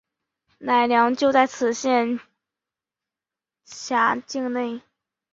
乃良就在此县辖境内。